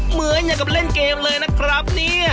เหมือนอย่างกับเล่นเกมเลยนะครับ